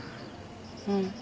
うん。